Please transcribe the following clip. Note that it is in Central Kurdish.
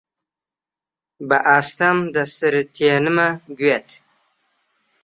بەئاستەم دەسرتێنمە گوێت: